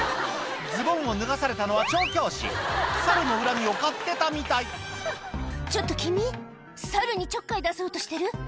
ズボンを脱がされたのは調教師サルの恨みを買ってたみたいちょっと君サルにちょっかい出そうとしてる？